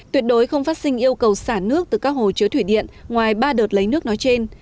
tuyệt đối không phát sinh yêu cầu xả nước từ các hồ chứa thủy điện ngoài ba đợt lấy nước nói trên